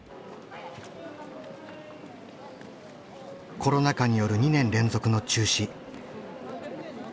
コロナ禍による２年連続の中止。